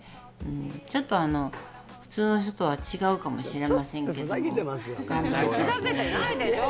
「ちょっと普通の人とは違うかもしれませんけども頑張りたいと思います」